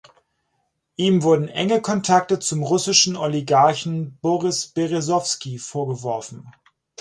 Ihm wurden enge Kontakte zum russischen Oligarchen Boris Beresowski vorgeworfen.